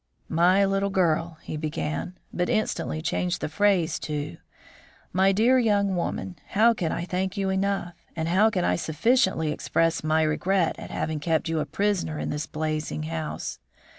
"My little girl," he began, but instantly changed the phrase to "My dear young lady, how can I thank you enough, and how can I sufficiently express my regret at having kept you a prisoner in this blazing house?